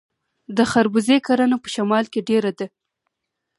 د خربوزې کرنه په شمال کې ډیره ده.